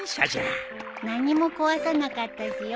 何も壊さなかったしよかったよ。